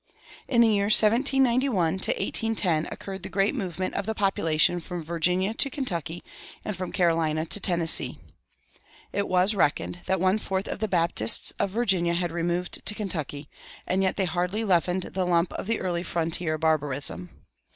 [219:1] In the years 1791 1810 occurred the great movement of population from Virginia to Kentucky and from Carolina to Tennessee. It was reckoned that one fourth of the Baptists of Virginia had removed to Kentucky, and yet they hardly leavened the lump of early frontier barbarism.